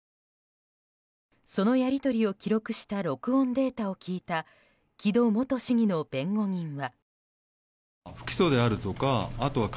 そのやり取りを記録した録音データを聞いた木戸元市議の弁護人は。